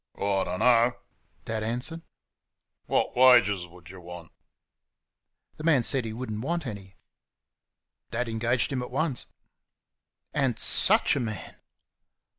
"I dunno," Dad answered "What wages would you want?" The man said he would n't want any. Dad engaged him at once. And SUCH a man!